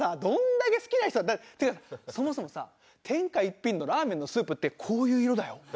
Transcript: どんだけ好きな人。っていうかそもそもさ天下一品のラーメンのスープってこういう色だよ。